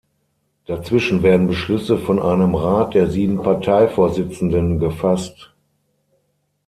Dazwischen werden Beschlüsse von einem Rat der sieben Parteivorsitzenden gefasst.